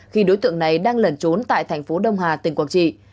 khi đối tượng này đang lẩn trốn tại tp đông hà tp quảng trị